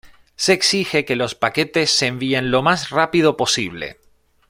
Se exige que los paquetes se envíen lo más rápido posible.